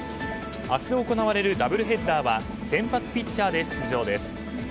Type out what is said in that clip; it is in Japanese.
明日行われるダブルヘッダーは先発ピッチャーで出場です。